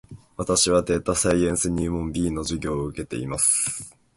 私はデータサイエンス入門 B の授業を受けています